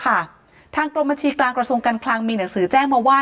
ทางกรมบัญชีกลางกระทรวงการคลังมีหนังสือแจ้งมาว่า